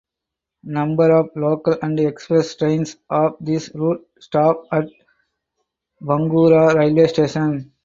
Number of local and Express trains of this route stop at Bankura railway station.